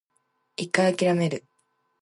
一回諦める